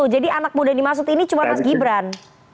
jadi anak muda yang dimaksud ini cuma mas gibran